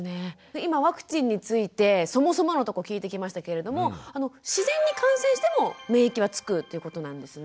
今ワクチンについてそもそものとこ聞いてきましたけれども自然に感染しても免疫はつくっていうことなんですね？